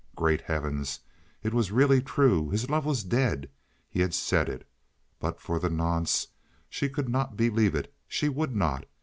Great Heavens, it was really true! His love was dead; he had said it! But for the nonce she could not believe it; she would not.